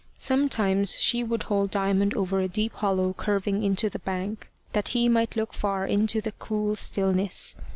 Sometimes she would hold Diamond over a deep hollow curving into the bank, that he might look far into the cool stillness.